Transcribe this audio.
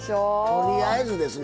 とりあえずですね